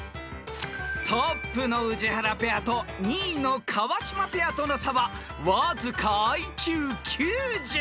［トップの宇治原ペアと２位の川島ペアとの差はわずかＩＱ９０］